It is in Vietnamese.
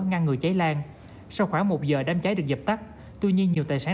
ngăn ngừa cháy lan sau khoảng một giờ đám cháy được dập tắt tuy nhiên nhiều tài sản